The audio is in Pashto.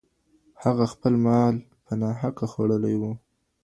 هغه خپل مال په ناحقه خوړلی و.